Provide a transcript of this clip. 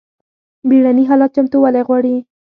بیړني حالات چمتووالی غواړي